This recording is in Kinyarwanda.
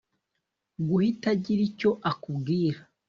guhita agira icyo akubwira